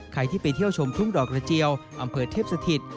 ใครที่ไปเที่ยวชมทุ่งดอกระเจียวอำเภอเทพสถิต